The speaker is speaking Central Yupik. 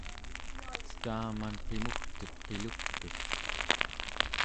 cetaman qimugtet qilugtut